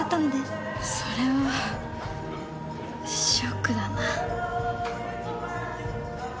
それはショックだな。